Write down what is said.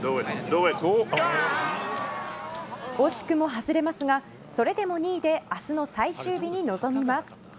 惜しくも外れますがそれでも２位で明日の最終日に臨みます。